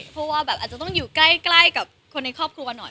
เพราะว่าแบบอาจจะต้องอยู่ใกล้กับคนในครอบครัวหน่อย